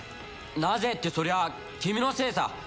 なぜってそりゃ君のせいさ